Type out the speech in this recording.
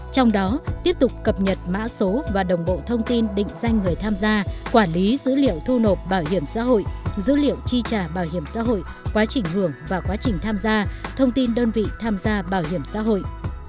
trong đó tiếp tục cập nhật mã số và đồng bộ thông tin định danh người tham gia quản lý dữ liệu thu nộp bảo hiểm xã hội dữ liệu chi trả bảo hiểm xã hội quá trình hưởng và quá trình tham gia thông tin đơn vị tham gia bảo hiểm xã hội